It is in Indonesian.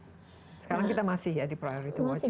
sekarang kita masih ya di priority watch list